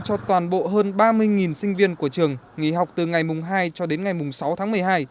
trước mắt đại học công nghệ tp hcm cho toàn bộ hơn ba mươi sinh viên của trường nghỉ học từ ngày hai cho đến ngày sáu tháng một mươi hai